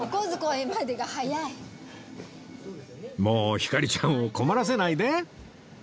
もうヒカリちゃんを困らせないで